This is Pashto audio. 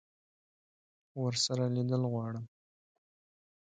ورسره لیدل غواړم.